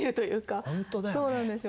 そうなんですよ。